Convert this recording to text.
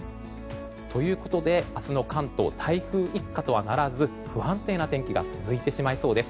ということで明日の関東台風一過とはならず不安定な天気が続いてしまいそうです。